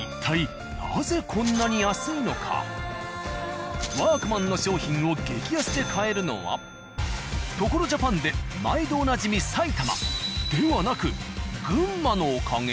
一体「ワークマン」の商品を激安で買えるのは「所ＪＡＰＡＮ」で毎度おなじみ埼玉ではなく群馬のおかげ？